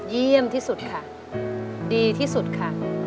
เยี่ยมที่สุดค่ะดีที่สุดค่ะ